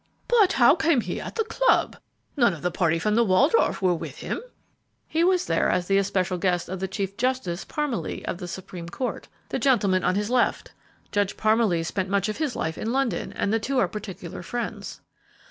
"But how came he at the club? None of the party from the Waldorf were with him." "He was there as the especial guest of Chief Justice Parmalee, of the Supreme Court, the gentleman on his left. Judge Parmalee spent much of his life in London, and the two are particular friends."